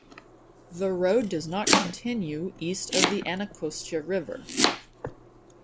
The road does not continue east of the Anacostia River.